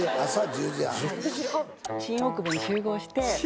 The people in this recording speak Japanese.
新大久保に集合して。